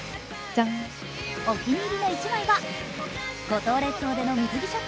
お気に入りの１枚は、五島列島での水着ショット。